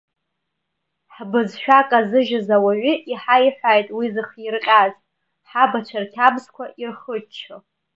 Ҳбызшәа казыжьыз ауаҩы иҳаиҳәааит уи зыхирҟьаз, ҳабацәа рқьабзқәа ирхыччо.